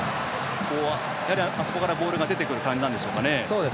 あそこからボールが出てくる感じなんでしょうか。